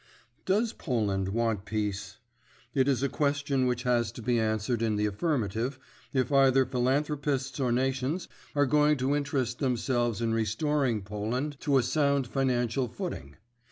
Does Poland want peace? It is a question which has to be answered in the affirmative if either philanthropists or nations are going to interest themselves in restoring Poland to a sound financial footing.